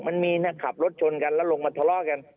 มันมีนะขับรถชนกันแล้วลงมาทะเลาะกัน